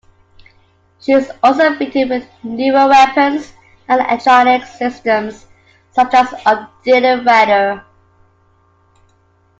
She was also fitted with newer weapons and electronics systems, such as updated radar.